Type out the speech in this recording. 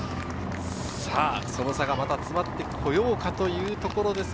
その差が詰まってこようかというところです。